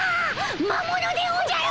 魔物でおじゃる！